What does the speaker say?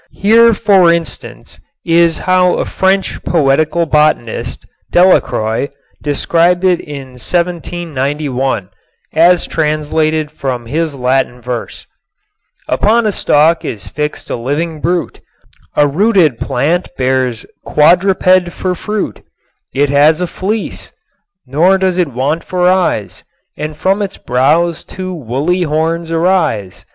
Here, for instance, is how a French poetical botanist, Delacroix, described it in 1791, as translated from his Latin verse: Upon a stalk is fixed a living brute, A rooted plant bears quadruped for fruit; It has a fleece, nor does it want for eyes, And from its brows two wooly horns arise.